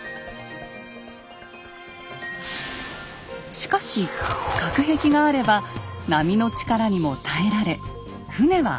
しかし隔壁があれば波の力にも耐えられ船は安全です。